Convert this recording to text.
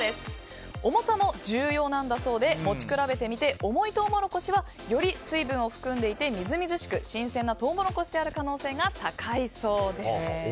重さも重要なんだそうで持ち比べてみて重いトウモロコシはより水分を含んでいてみずみずしく新鮮なトウモロコシである可能性が高いそうです。